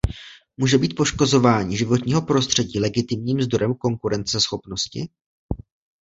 Může být poškozování životního prostředí legitimním zdrojem konkurenceschopnosti?